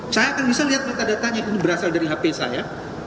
saya akan bisa lihat data datanya ini berasal dari hp saya